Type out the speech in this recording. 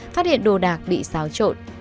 phát hiện đồ đạc bị xáo trộn